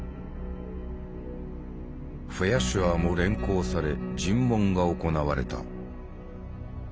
フェアシュアーも連行され尋問が行われた。